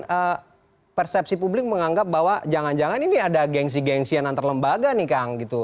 kemudian persepsi publik menganggap bahwa jangan jangan ini ada gengsi gengsian antar lembaga nih kang gitu